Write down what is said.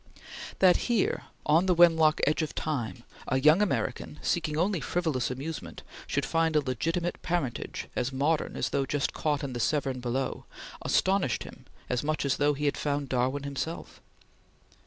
That here, on the Wenlock Edge of time, a young American, seeking only frivolous amusement, should find a legitimate parentage as modern as though just caught in the Severn below, astonished him as much as though he had found Darwin himself.